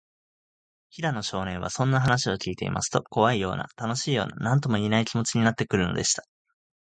平野少年は、そんな話をきいていますと、こわいような、たのしいような、なんともいえない、気もちになってくるのでした。